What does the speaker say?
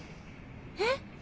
えっ？